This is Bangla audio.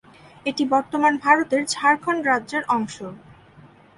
এটি বর্তমান ভারতের ঝাড়খণ্ড রাজ্যের অংশ।